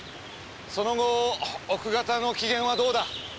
その後奥方の機嫌はどうだ？